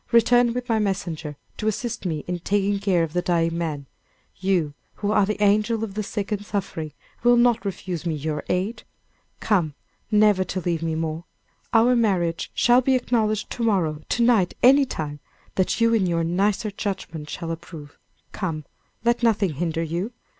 Return with my messenger, to assist me in taking care of the dying man. You, who are the angel of the sick and suffering, will not refuse me your aid. Come, never to leave me more! Our marriage shall be acknowledged to morrow, to night, any time, that you in your nicer judgment, shall approve. Come! let nothing hinder you.